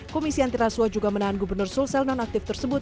komisi antiraswa juga menahan gubernur sulsel nonaktif tersebut